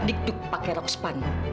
dagnikduk pakai rokspan